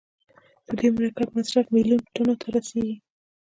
د دې مرکب مصرف میلیون ټنو ته رسیږي.